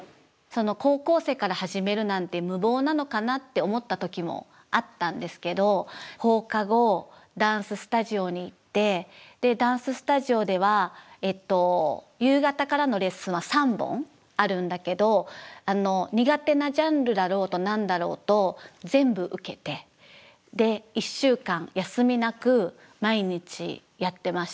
高校生から始めるなんて無謀なのかなって思った時もあったんですけど放課後ダンススタジオに行ってダンススタジオでは夕方からのレッスンは３本あるんだけど苦手なジャンルだろうと何だろうと全部受けてで１週間休みなく毎日やってました。